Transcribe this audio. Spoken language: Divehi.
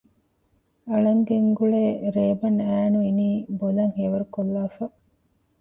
އަޅަން ގެންގުޅޭ ރޭބަން އައިނު އިނީ ބޮލަށް ހެޔޮވަރުކޮށްލާފަ